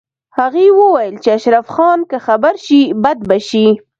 هغې وویل چې اشرف خان که خبر شي بد به شي